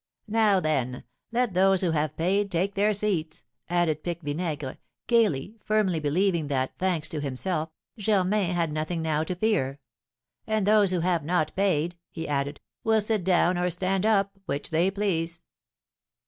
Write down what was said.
"Now, then, let those who have paid take their seats," added Pique Vinaigre, gaily, firmly believing that, thanks to himself, Germain had nothing now to fear. "And those who have not paid," he added, "will sit down or stand up, which they please."